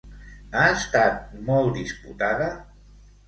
Ha estat molt disputada?